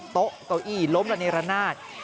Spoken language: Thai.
โต๊ะกับอี่ล้มละนิระนาจ